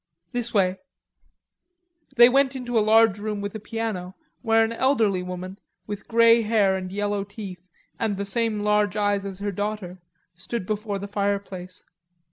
This way." They went into a large room with a piano where an elderly woman, with grey hair and yellow teeth and the same large eyes as her daughter, stood before the fireplace.